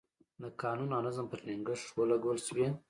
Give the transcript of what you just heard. د قانون او نظم پر ټینګښت ولګول شوې.